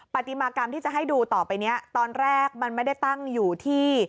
ปฏิมากรรมที่จะให้ดูต่อไปนี้ตอนแรกมันไม่ได้ตั้งอยู่ที่